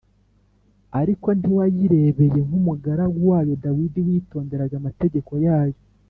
Ariko ntiwayibereye nk’umugaragu wayo Dawidi witonderaga amategeko yayo